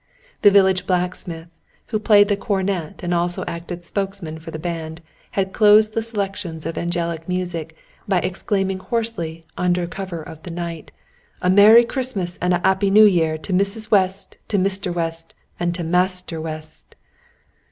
The village blacksmith, who played the cornet and also acted spokesman for the band, had closed the selections of angelic music, by exclaiming hoarsely, under cover of the night: "A merry Christmas and a 'appy New Year, to Mrs. West, to Mr. West, and to Master West!"